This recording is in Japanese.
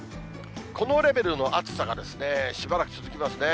このレベルの暑さが、しばらく続きますね。